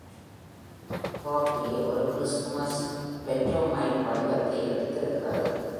"பாப்பி" ஒரு Christmas pantomime வடிவத்தை எடுத்திருக்கிறது.